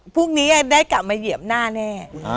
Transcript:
พรุ่งนี้ได้กลับมาเหยียบหน้าแน่